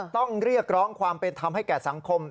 ต้องเรียกร้องความเป็นธรรมให้แก่สังคม